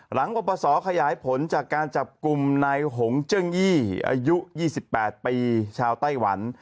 ปปศขยายผลจากการจับกลุ่มนายหงเจิ้งยี่อายุ๒๘ปีชาวไต้หวัน